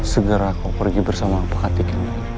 segera kau pergi bersama pakatik